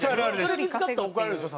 それ見付かったら怒られるでしょ？